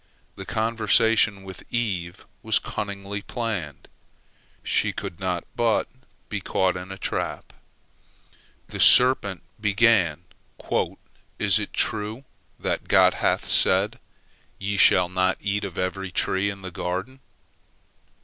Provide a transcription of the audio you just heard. The conversation with Eve was cunningly planned, she could not but be caught in a trap. The serpent began, "Is it true that God hath said, Ye shall not eat of every tree in the garden?"